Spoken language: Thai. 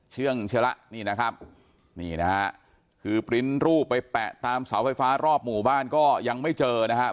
เชื่องเชียละนี่นะครับนี่นะฮะคือปริ้นรูปไปแปะตามเสาไฟฟ้ารอบหมู่บ้านก็ยังไม่เจอนะครับ